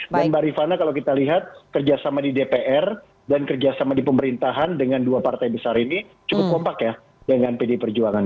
dan mbak rifana kalau kita lihat kerjasama di dpr dan kerjasama di pemerintahan dengan dua partai besar ini cukup kompak ya dengan pd perjuangan